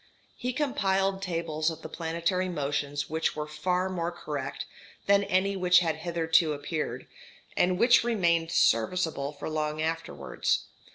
He compiled tables of the planetary motions which were far more correct than any which had hitherto appeared, and which remained serviceable for long afterwards.